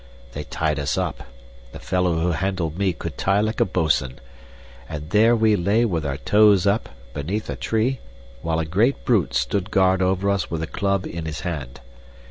They tied us up the fellow who handled me could tie like a bosun and there we lay with our toes up, beneath a tree, while a great brute stood guard over us with a club in his hand.